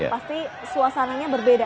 pasti suasananya berbeda